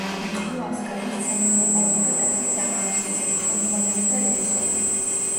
იყო ასკანის სცენისმოყვარულთა დასის დამაარსებელი, ხელმძღვანელი და რეჟისორი.